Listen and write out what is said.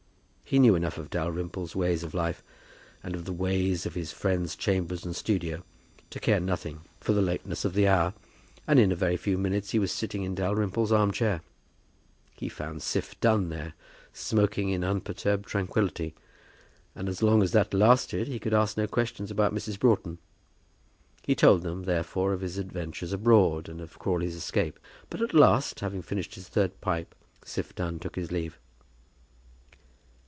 He knew enough of Dalrymple's ways of life, and of the ways of his friend's chambers and studio, to care nothing for the lateness of the hour, and in a very few minutes he was sitting in Dalrymple's arm chair. He found Siph Dunn there, smoking in unperturbed tranquillity, and as long as that lasted he could ask no questions about Mrs. Broughton. He told them, therefore, of his adventures abroad, and of Crawley's escape. But at last, having finished his third pipe, Siph Dunn took his leave.